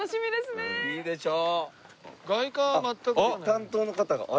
担当の方があれ？